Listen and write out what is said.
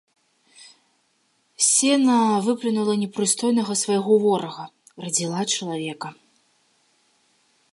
Сена выплюнула непрыстойнага свайго ворага, радзіла чалавека.